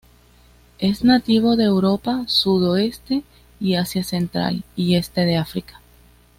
Es nativo de Europa, sudoeste y Asia central y este de África.